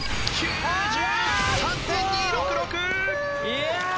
いや。